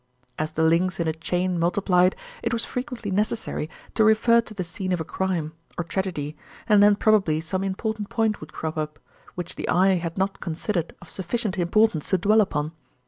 As the links in a chain multiplied, it was frequently necessary to refer to the scene of a crime, or tragedy, and then probably some important point would crop up, which the eye had not considered of sufficient importance to dwell upon.